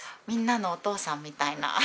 みんなのお父さんみたいな。